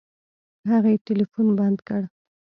هغې ټلفون بند کړ.